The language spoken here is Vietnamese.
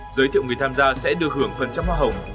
giới thiệu người tham gia sẽ được hưởng phần trăm hoa hồng